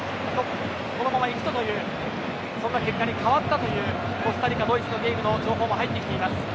このままいくとというそういう結果に変わったというコスタリカ対ドイツのゲームの情報も入っています。